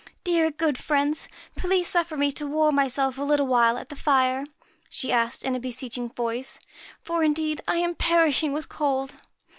* Dear, good friends, please suffer me to warm myself a little while at the fire,' she asked in a beseeching voice; 'for, indeed, I am perishing with cold.'